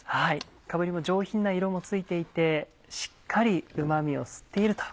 かぶにも上品な色もついていてしっかりうま味を吸っていると。